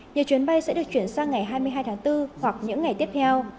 nhiều chuyến bay sẽ được chuyển sang ngày hai mươi hai tháng bốn hoặc những ngày tiếp theo